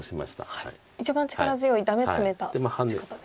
一番力強いダメツメた打ち方です。